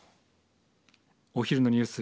お昼のニュース